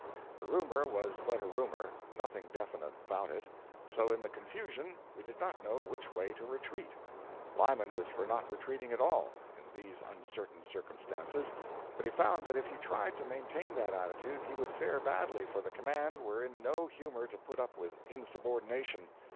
The rumour was but a rumour nothing definite about it; so, in the confusion, we did not know which way to retreat. Lyman was for not retreating at all, in these uncertain circumstances; but he found that if he tried to maintain that attitude he would fare badly, for the command were in no humour to put up with insubordination.